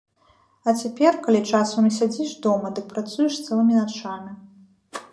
А цяпер, калі часам і сядзіш дома, дык працуеш цэлымі начамі.